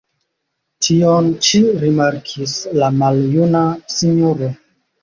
Tion ĉi rimarkis la maljuna sinjoro.